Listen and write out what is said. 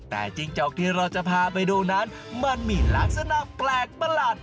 แต่จิ้งจอกที่เราจะพาไปดูนั้นมันมีลักษณะแปลกประหลาด